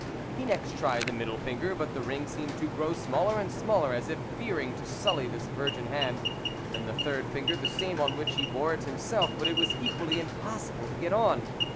He next tried the middle finger, but the ring seemed to grow smaller and smaller, as if fearing to sully this virgin hand ; then the third finger, the same on which he wore it himself, but it was equally im possible to get it on.